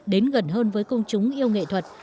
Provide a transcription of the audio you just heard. đến gần hơn với công chúng yêu nghệ thuật